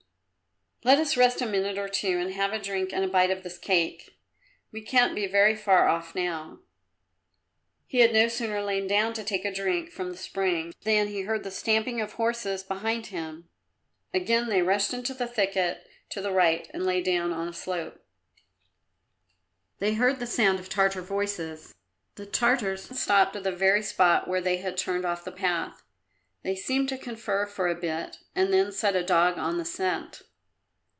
"Let us rest a minute or two and have a drink and a bite of this cake. We can't be very far off now." He had no sooner lain down to take a drink from the spring than he heard the stamping of horses behind him. Again they rushed into the thicket to the right and lay down on a slope. They heard a sound of Tartar voices. The Tartars stopped at the very spot where they had turned off the path. They seemed to confer for a bit and then set a dog on the scent.